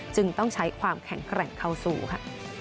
จึงต้องใช้ความแข็งแกร่งเข้าสู้ค่ะ